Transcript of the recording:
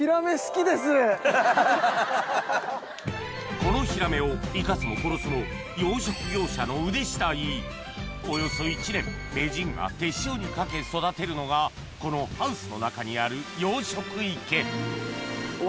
このヒラメを生かすも殺すも次第およそ１年名人が手塩にかけ育てるのがこのハウスの中にある養殖池うわ